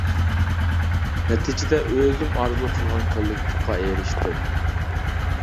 نەتىجىدە، ئۆزۈم ئارزۇ قىلغان كوللېكتىپقا ئېرىشتىم.